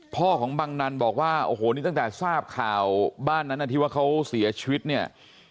พ่อของบังนันบอกว่าโอ้โหนี่ตั้งแต่ทราบข่าวบ้านนั้นที่ว่าเขาเสียชีวิตเนี่ย